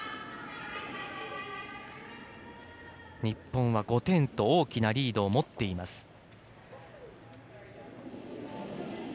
日本は５点と大きなリードを持っています。